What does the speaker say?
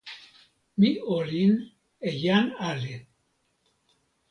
mi olin e jan ale.